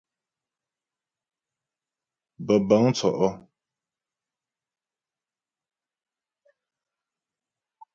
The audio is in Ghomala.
Bə̀bə̂ŋ tsɔ́' ɔ.